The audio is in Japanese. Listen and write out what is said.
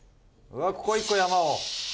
うわ、ここ、一個山を。